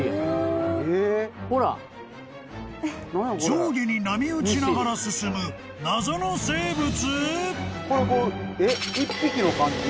［上下に波打ちながら進む謎の生物！？］